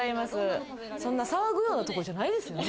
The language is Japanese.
そんな騒ぐようなところじゃないですよね。